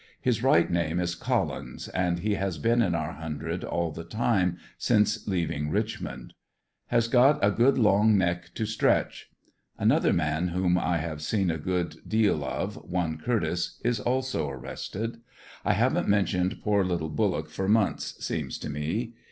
His right name is Collins and he has been in our hundred all the time since leaving Richmond. ANDERSONVILLE DIARY. 77 Has got a good loug neck to stretch. Another man whom I have seen a good deal of, one Curtiss, is also arrested. . I haven't men tioned poor little Bullock for months, seems to me.